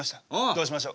どうしましょ。